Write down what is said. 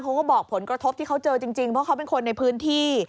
เขาก็บอกผลกระทบที่เขาเจอจริงเพราะเขาเป็นคนในพื้นที่